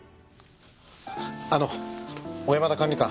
あの小山田管理官。